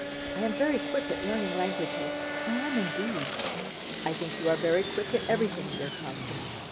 I am very quick at learning languages, I am, indeed.' 'I think you are very quick at everything, dear Constance.